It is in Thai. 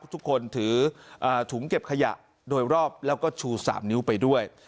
ทุกคนถือถุงเก็บขยะโดยรอบแล้วก็ชู๓นิ้วไปด้วย